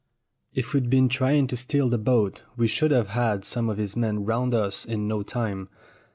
If we'd been trying to steal the boat we should have had some of his men round us in no time.